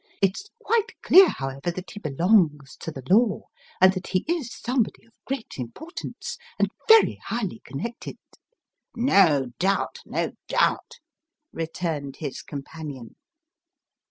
" It's quite clear, however, that he belongs to the law, and that he is some body of great importance, and very highly connected." " No doubt, no doubt," returned his companion.